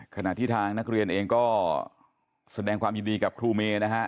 ขณะที่ทางนักเรียนเองก็แสดงความยินดีกับครูเมย์นะฮะ